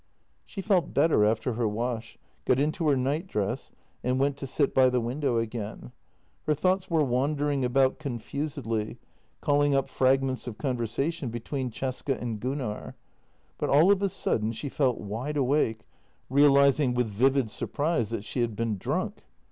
She felt better after her wash, got into her nightdress, and went to sit by the window again. Her thoughts were wander ing about confusedly, calling up fragments of conversation be tween Cesca and Gunnar, but all of a sudden she felt wide awake, realizing with vivid surprise that she had been drunk.